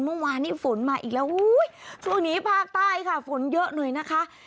เมื่อวานนี้ฝนมาอีกแล้วช่วงนี้ภาคใต้ค่ะฝนเยอะหน่อยนะคะ